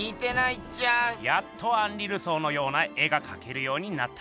「やっとアンリ・ルソーのような絵が描けるようになった」。